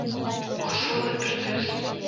О, сылне пӱртӱс!